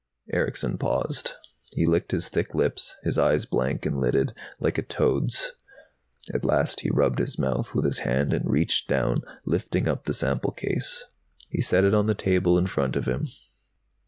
Erickson paused. He licked his thick lips, his eyes blank and lidded, like a toad's. At last he rubbed his mouth with his hand and reached down, lifting up the sample case. He set it on the table in front of him.